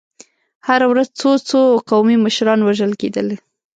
هره ورځ څو څو قومي مشران وژل کېدل.